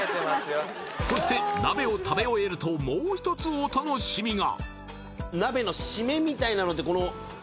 そして鍋を食べ終えるともう一つお楽しみが！